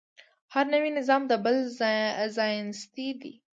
هر نوی نظام د بل ځایناستی دی.